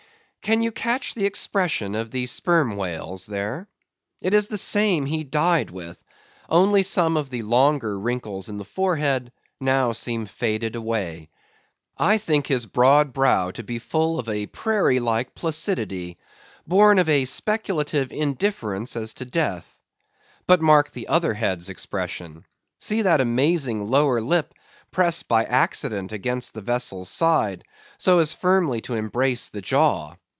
Can you catch the expression of the Sperm Whale's there? It is the same he died with, only some of the longer wrinkles in the forehead seem now faded away. I think his broad brow to be full of a prairie like placidity, born of a speculative indifference as to death. But mark the other head's expression. See that amazing lower lip, pressed by accident against the vessel's side, so as firmly to embrace the jaw.